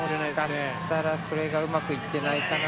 もしかしたらそれがうまくいってないかな。